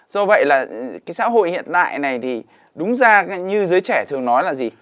do vậy là cái xã hội hiện đại này thì đúng ra như giới trẻ thường nói là gì